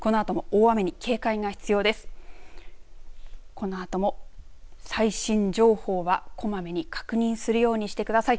このあとも最新情報はこまめに確認するようにしてください。